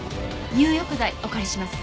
入浴剤お借りします。